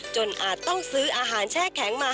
อาจต้องซื้ออาหารแช่แข็งมา